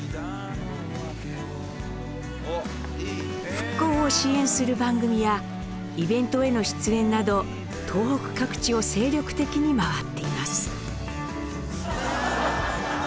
復興を支援する番組やイベントへの出演など東北各地を精力的に回っています。